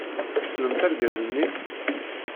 Tessnemt argaz-nni?